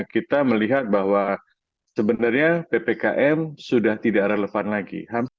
kita melihat bahwa sebenarnya ppkm sudah tidak relevan lagi